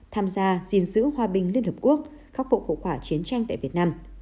tham gia diện giữ hòa bình liên hợp quốc khắc phục khổ khỏa chiến tranh tại việt nam